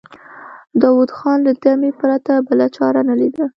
داوود خان له دمې پرته بله چاره نه ليده.